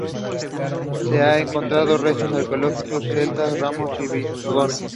Se han encontrado restos arqueológicos celtas, romanos y visigodos.